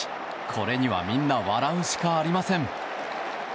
これにはみんな笑うしかありません。